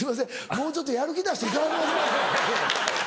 もうちょっとやる気出していただけませんか？